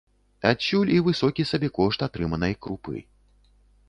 Адсюль і высокі сабекошт атрыманай крупы.